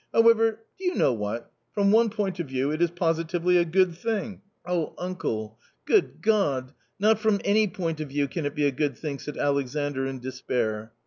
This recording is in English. However, do you know what? from one point of view it is positively a good thing." " Oh, uncle ! good God ! not from any point of view can it be a good thing," said Alexandr in despair.